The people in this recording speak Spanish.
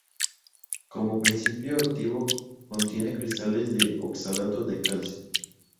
Como principio activo contiene cristales de oxalato de calcio.